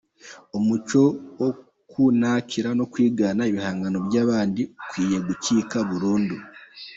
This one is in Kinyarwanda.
Umuco wo kunakira no kwigana ibihangano by’abandi ukwiye gucika burundu